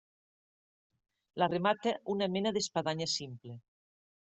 La remata una mena d'espadanya simple.